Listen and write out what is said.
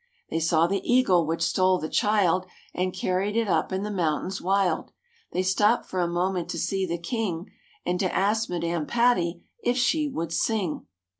They saw the eagle which stole the child And carried it up in the mountains wild. They stopped for a moment to see the King And to ask Madame Patti if she would sing.